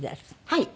はい。